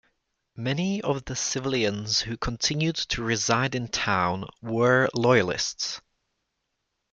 Many of the civilians who continued to reside in town were Loyalists.